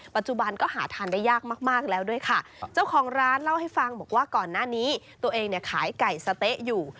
ปัจจุบันก็หาทานได้ยากมากมากแล้วด้วยค่ะเจ้าของร้านเล่าให้ฟังบอกว่าก่อนหน้านี้ตัวเองเนี่ยขายไก่สะเต๊ะอยู่